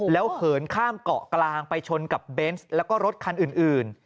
แล้วเหินข้ามเกาะกลางไปชนกับเบนส์แล้วก็รถคันอื่น